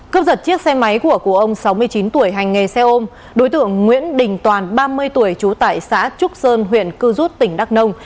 cướp giật chiếc xe máy của cụ ông sáu mươi chín tuổi hành nghề xe ôm đối tượng nguyễn đình toàn ba mươi tuổi trú tại xã trúc sơn huyện cư rút tỉnh đắk nông